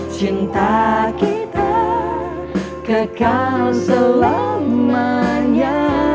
cinta kita kekal selamanya